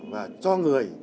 và cho người